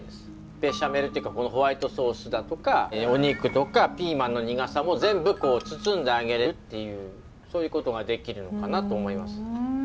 ベシャメルっていうかこのホワイトソースだとかお肉とかピーマンの苦さも全部こう包んであげれるっていうそういうことができるのかなと思います。